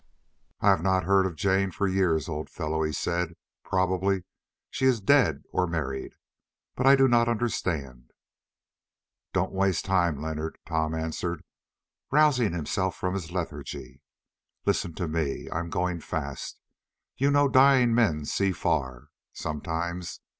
"I have not heard of Jane for years, old fellow," he said; "probably she is dead or married. But I do not understand." "Don't waste time, Leonard," Tom answered, rousing himself from his lethargy. "Listen to me. I am going fast. You know dying men see far—sometimes.